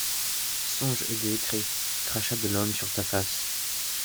Songe exécré ! crachat de l’homme sur ta face